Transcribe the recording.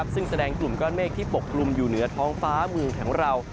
ซึ่งแสดงกลุ่มก้อนเมฆที่ปกกลุ่มอยู่เหนือท้องฟ้าเมืองของเรา